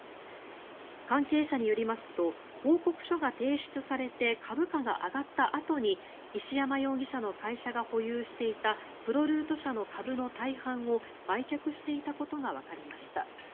関係者によりますと報告書が提出されて株価が上がったあとに石山容疑者の会社が保有していたプロルート社の株の大半を売却していたことがわかりました。